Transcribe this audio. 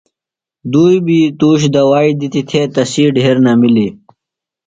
دُئیۡ بیۡ تُوش دوائیۡ دِتیۡ، تھےۡ تسی ڈھیۡر نمِلیۡ